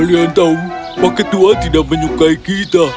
kalian tahu pak ketua tidak menyukai kita